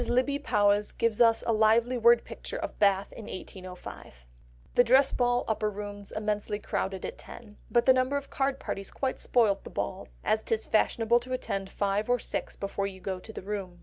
Lybbe Powys gives us a lively word picture of Bath in 1805— "The Dress Ball, Upper Rooms immensely crowded at ten; but the number of card parties quite spoilt the balls, as 'tis fashionable to attend five or six before you go to the room.